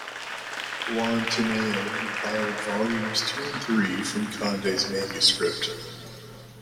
Juan Tineo compiled volumes two and three from Conde's manuscript.